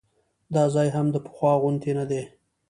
دا ځای هم د پخوا غوندې نه دی.